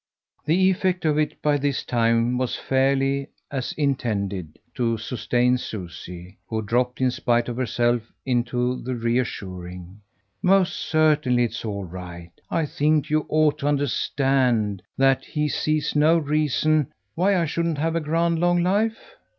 The effect of it by this time was fairly, as intended, to sustain Susie, who dropped in spite of herself into the reassuring. "Most certainly it's all right. I think you ought to understand that he sees no reason " "Why I shouldn't have a grand long life?"